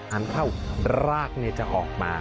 อันเข้ารากเนี่ยจะออกมา